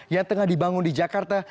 yang tengah dibangun di jakarta